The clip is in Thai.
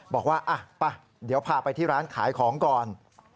บอกว่าไปเดี๋ยวพาไปที่ร้านขายของก่อน